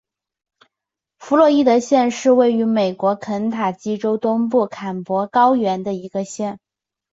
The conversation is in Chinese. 弗洛伊德县是位于美国肯塔基州东部坎伯兰高原的一个县。